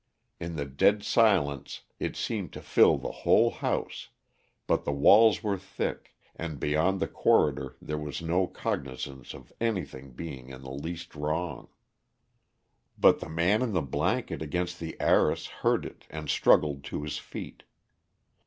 In the dead silence it seemed to fill the whole house, but the walls were thick, and beyond the corridor there was no cognizance of anything being in the least wrong. But the man in the blanket against the arras heard it and struggled to his feet.